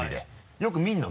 よく見るの？